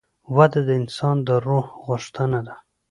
وده د انسان د روح غوښتنه ده.